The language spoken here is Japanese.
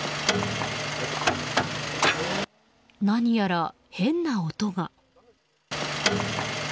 何やら、変な音が。